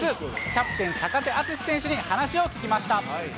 キャプテン、坂手淳史選手に話を聞きました。